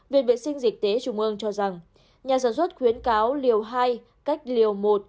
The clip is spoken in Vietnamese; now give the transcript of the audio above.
viện viện sinh dịch tế trung mương cho rằng nhà sản xuất khuyến cáo liều hai cách liều một